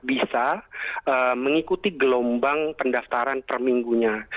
bisa mengikuti gelombang pendaftaran perminggunya